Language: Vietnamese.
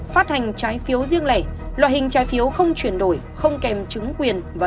phát hành trái phiếu riêng lẻ loại hình trái phiếu không chuyển đổi không kèm chứng quyền và